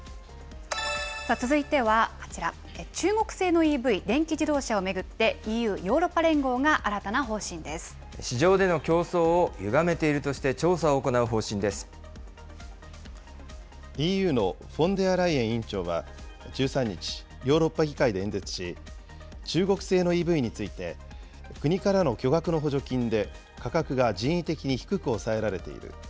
続いてはこちら、中国製のＥＶ・電気自動車を巡って、ＥＵ・市場での競争をゆがめているＥＵのフォンデアライエン委員長は１３日、ヨーロッパ議会で演説し、中国製のＥＶについて、国からの巨額の補助金で価格が人為的に低く抑えられている。